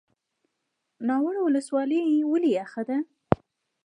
ناور ولسوالۍ ولې یخه ده؟